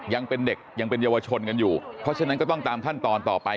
ยังเป็นเด็กยังเป็นเยาวชนกันอยู่เพราะฉะนั้นก็ต้องตามขั้นตอนต่อไป